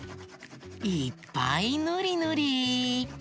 いっぱいぬりぬり！